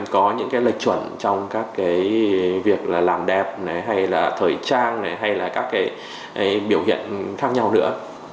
có những lệch chuẩn trong việc làm đẹp thời trang hay các biểu hiện khác nhau nữa